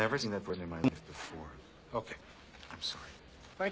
はい。